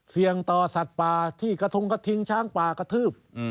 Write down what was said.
เสี่ยงต่อสัตว์ป่าที่กระทงกระทิงช้างป่ากระทืบ